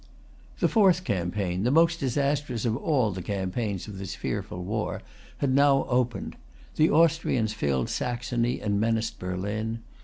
The fourth campaign, the most disastrous of all the campaigns of this fearful war, had now opened. The Austrians filled Saxony and menaced Berlin.